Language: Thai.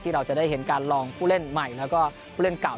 เราจะได้เห็นการลองผู้เล่นใหม่แล้วก็ผู้เล่นเก่า